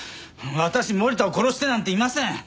私森田を殺してなんていません。